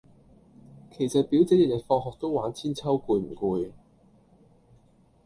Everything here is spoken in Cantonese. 其實表姐日日放學都玩韆鞦攰唔攰